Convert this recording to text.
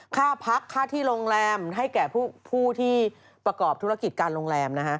ค่าพักค่าที่โรงแรมให้แก่ผู้ที่ประกอบธุรกิจการโรงแรมนะฮะ